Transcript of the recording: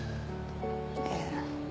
ええ。